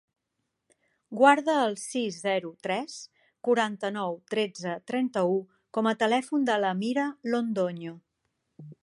Guarda el sis, zero, tres, quaranta-nou, tretze, trenta-u com a telèfon de l'Amira Londoño.